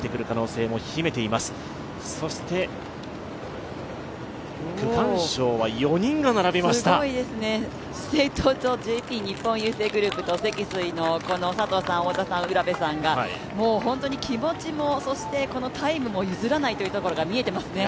すごいですね、資生堂とＪＰ日本郵政グループと、積水の佐藤さん、太田さん、卜部さんが本当に気持ちもタイムも譲らないというところが見えてきますよね。